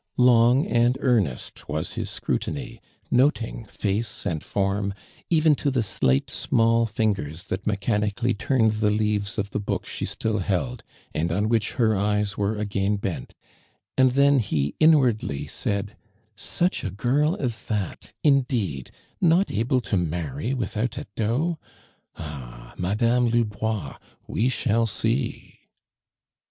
Long and earnest was his scrutiny, noting face ami form, even to the slight, small fingers that mechanically turne<l i lie leaves of the book she still held, and on which her eyes were again bent, and then he inwardly said: "Such a girl as that, indeed, not able to marry without a dot I 1 Ah, Madame Lubois, we shall see."